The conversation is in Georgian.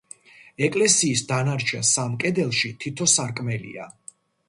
ეკლესიის დანარჩენ სამ კედელში თითო სარკმელია.